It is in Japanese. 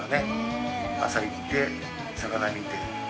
朝行って魚見て。